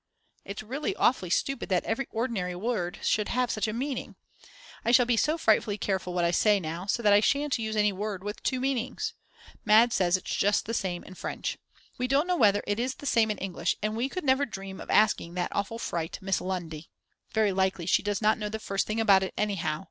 It's really awfully stupid that every ordinary word should have such a meaning. I shall be so frightfully careful what I say now, so that I shan't use any word with two meanings. Mad. says it's just the same in French. We don't know whether it is the same in English and we could never dream of asking that awful fright, Miss Lundy. Very likely she does not know the first thing about it anyhow.